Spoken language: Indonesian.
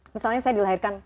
misalnya saya dilahirkan